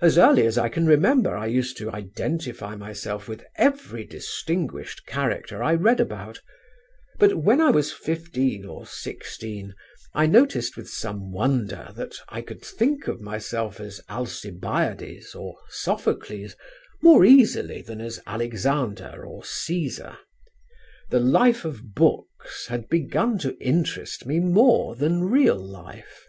As early as I can remember I used to identify myself with every distinguished character I read about, but when I was fifteen or sixteen I noticed with some wonder that I could think of myself as Alcibiades or Sophocles more easily than as Alexander or Cæsar. The life of books had begun to interest me more than real life....